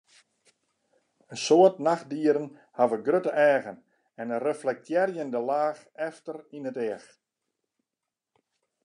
In soad nachtdieren hawwe grutte eagen en in reflektearjende laach efter yn it each.